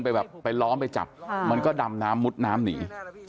แบบไปล้อมไปจับมันก็ดำน้ำมุดน้ำหนี